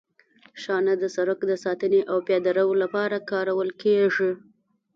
شانه د سرک د ساتنې او پیاده رو لپاره کارول کیږي